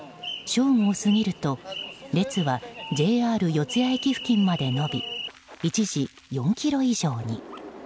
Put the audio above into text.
正午を過ぎると列はＪＲ四ツ谷駅付近まで伸び一時、４ｋｍ以上に。